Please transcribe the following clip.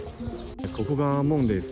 ここが門です。